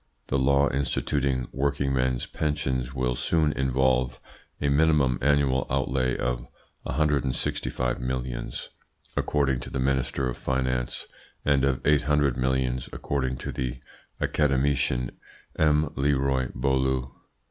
The law instituting workingmen's pensions will soon involve a minimum annual outlay of 165 millions, according to the Minister of Finance, and of 800 millions according to the academician M. Leroy Beaulieu.